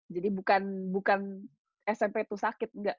jadi bukan bukan smp itu sakit nggak